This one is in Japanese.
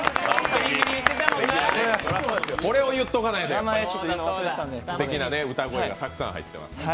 これを言っておかないと、すてきな歌声がたくさん入ってますから。